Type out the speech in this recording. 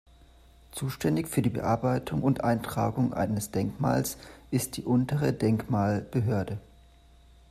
Zuständig für die Bearbeitung und Eintragung eines Denkmals ist die Untere Denkmalbehörde.